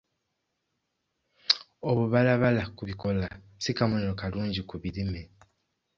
Obubalabala ku bikoola si kabonero kalungi ku birime.